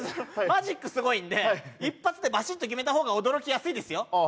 マジックすごいんで一発でバシッと決めた方が驚きやすいですよああ